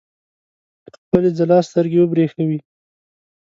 په خپلې ځلا سترګې وبرېښوي.